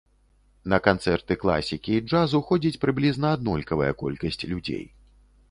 На канцэрты класікі і джазу ходзіць прыблізна аднолькавая колькасць людзей.